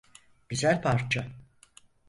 Güzel parça.